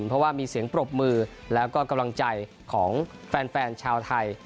เพราะว่ามีเสียงปรบมือแล้วก็กำลังใจของแฟนชาวไทย